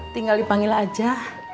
tinggal dipanggil aja